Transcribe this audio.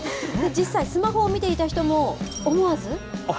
実際、スマホを見ていた人も、思わず。